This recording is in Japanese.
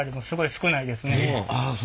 少ないです。